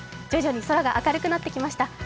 徐々に空が明るくなってきました。